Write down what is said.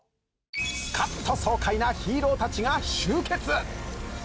スカっと爽快なヒーローたちが集結！